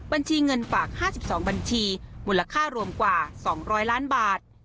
บัญชีเงินฝาก๕๒บัญชีมูลค่ารวมกว่า๒๐๐ล้านบาท